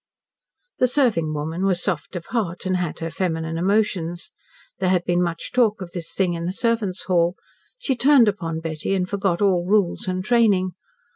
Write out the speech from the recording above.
The serving woman was soft of heart, and had her feminine emotions. There had been much talk of this thing in the servant's hall. She turned upon Betty, and forgot all rules and training.